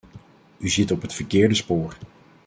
U zit op het verkeerde spoor.